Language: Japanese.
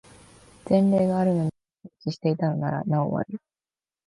前例があるのに放置していたのならなお悪い